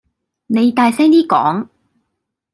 你大聲啲講